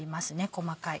細かい。